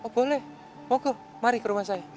boleh oke mari ke rumah saya